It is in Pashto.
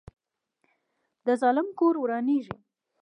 د ظالم کور ورانیږي